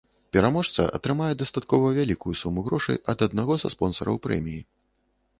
Пераможца атрымае дастаткова вялікую суму грошай ад аднаго са спонсараў прэміі.